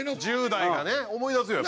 １０代がね思い出すよ